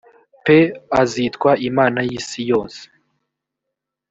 p azitwa imana y isi yose